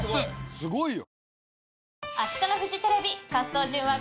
すごいよ。